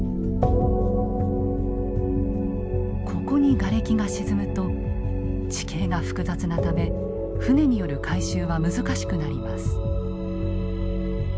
ここにガレキが沈むと地形が複雑なため船による回収は難しくなります。